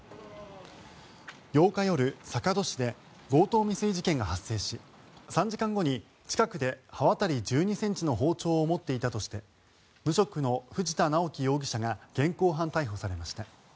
８日夜、坂戸市で強盗未遂事件が発生し３時間後に近くで刃渡り１２ｃｍの包丁を持っていたとして無職の藤田直樹容疑者が現行犯逮捕されました。